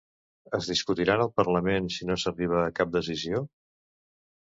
Es discutiran al Parlament si no s'arriba a cap decisió?